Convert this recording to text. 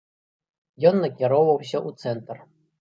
Ён накіроўваўся ў цэнтр.